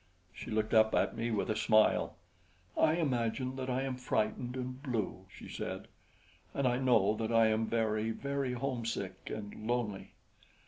She looked up at me with a smile. "I imagine that I am frightened and blue," she said, "and I know that I am very, very homesick and lonely."